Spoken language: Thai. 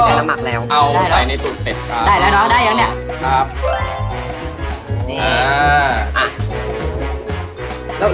เปาเพื่อให้หนั่งตรงนี้มันไม่ติดกับเนื้อ